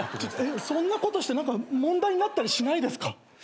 えっそんなことして何か問題になったりしないですか？